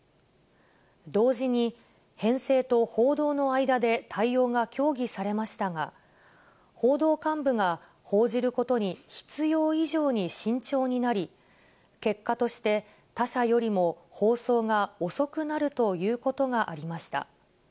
同時に、編成と報道の間で対応が協議されましたが、報道幹部が報じることに必要以上に慎重になり、結果として、他社よりも放送が遅くなるということがありました。